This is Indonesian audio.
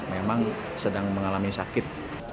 memang sedang mengalami sakit